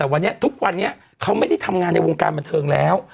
แต่วันนี้ทุกวันนี้เขาไม่ได้ทำงานในวงการบันเทิงแล้ว